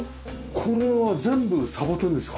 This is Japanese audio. これは全部サボテンですか？